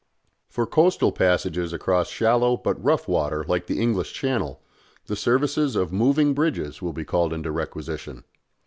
For coastal passages across shallow but rough water like the English Channel, the services of moving bridges will be called into requisition.